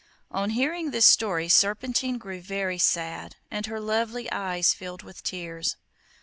On hearing this story Serpentine grew very sad, and her lovely eyes filled with tears.